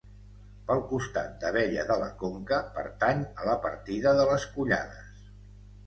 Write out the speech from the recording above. Pel costat d'Abella de la Conca, pertany a la partida de les Collades.